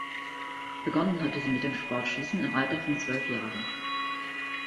Begonnen hatte sie mit dem Sportschießen im Alter von zwölf Jahren.